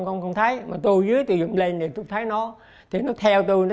cháu công ty là muốn giải thể rồi